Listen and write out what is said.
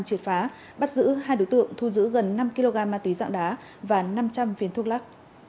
triệt phá bắt giữ hai đối tượng thu giữ gần năm kg ma túy dạng đá và năm trăm linh viên thuốc lắc